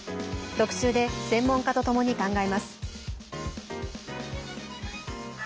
特集で専門家とともに考えます。